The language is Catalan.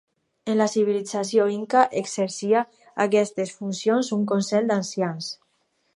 En la civilització Inca exercia aquestes funcions un consell d'ancians.